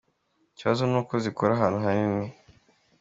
Ikibazo ni uko zikora ahantu hanini.